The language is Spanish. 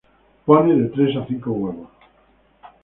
Pone de tres a cinco huevos.